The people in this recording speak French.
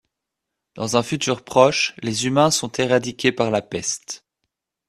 Dans un futur proche, les humains sont éradiqués par la peste.